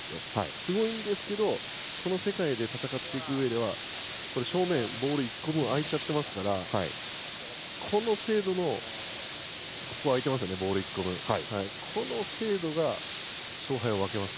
すごいんですけどこの世界で戦っていくうえでは正面、ボール１個分空いちゃってますからこの精度が勝敗を分けます。